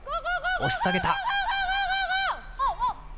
押し下げた。